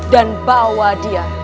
dan bawa dia